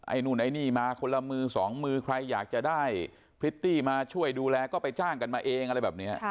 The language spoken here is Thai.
นู่นไอ้นี่มาคนละมือสองมือใครอยากจะได้พริตตี้มาช่วยดูแลก็ไปจ้างกันมาเองอะไรแบบนี้